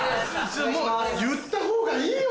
言ったほうがいいよ！